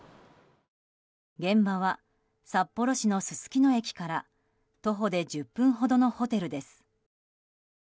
現場は、札幌市のすすきの駅から徒歩で１０分ほどのホテルです。